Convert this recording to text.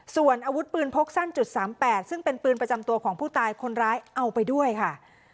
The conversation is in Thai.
ส่วนอาวุธปืนพกสั้น๓๘ซึ่งเป็นปืนประจำตัวของผู้ตายคนร้ายเอาไปด้วยค่ะ